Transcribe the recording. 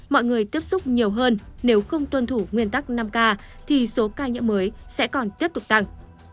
mọi người tiếp xúc nhiều hơn nếu không tuân thủ nguyên tắc năm k thì số ca nhiễm mới sẽ còn tiếp tục tăng